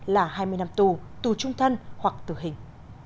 là hai mươi năm tù tù trung thân hoặc tử hình